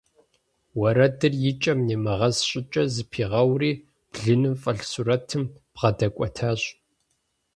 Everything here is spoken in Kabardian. Уэрэдыр и кӀэм нимыгъэс щӀыкӀэ зэпигъэури, блыным фӀэлъ сурэтым бгъэдэкӀуэтащ.